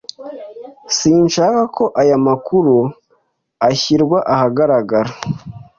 Sinshaka ko aya makuru ashyirwa ahagaragara.